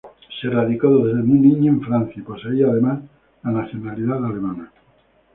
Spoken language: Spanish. Se radicó desde muy niño en Francia y poseía, además, la nacionalidad alemana.